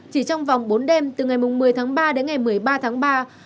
chỉ trong vòng bốn đêm từ ngày một mươi tháng ba đến ngày một mươi ba tháng ba